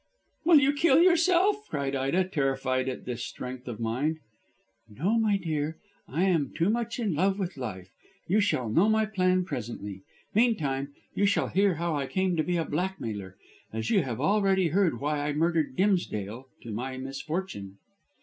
"Will you kill yourself?" cried Ida, terrified at this strength of mind. "No, my dear. I am too much in love with life. You shall know my plan presently. Meantime, you shall hear how I came to be a blackmailer, as you have already heard why I murdered Dimsdale, to my misfortune."